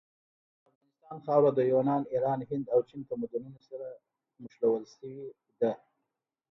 د افغانستان خاوره د یونان، ایران، هند او چین تمدنونو سره نښلول سوي ده.